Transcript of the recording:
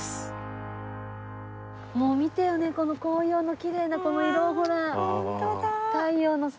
もう見てよこの紅葉のきれいなこの色ほら。